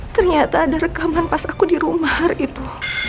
ternyata ada rekaman pas aku di rumah itu